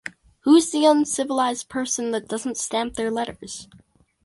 Who’s the uncivilized person that doesn’t stamp their letters?